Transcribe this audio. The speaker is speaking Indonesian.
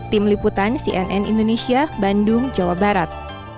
tim liputan cnn indonesia bandung jawa barat